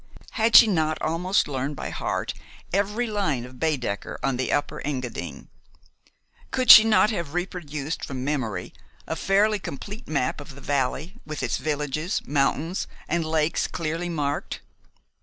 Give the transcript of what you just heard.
Had she not almost learned by heart each line of Baedeker on the Upper Engadine? Could she not have reproduced from memory a fairly complete map of the valley, with its villages, mountains, and lakes clearly marked?